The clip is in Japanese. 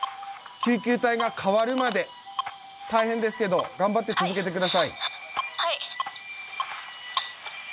救急隊が代わるまで大変ですけど頑張って続けて下さい。